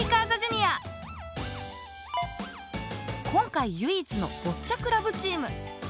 今回ゆいいつのボッチャクラブチーム。